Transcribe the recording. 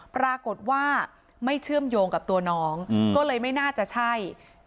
ปรากฏว่าไม่เชื่อมโยงกับตัวน้องก็เลยไม่น่าจะใช่